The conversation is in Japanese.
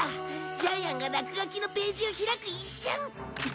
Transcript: ジャイアンが落書きのページを開く一瞬。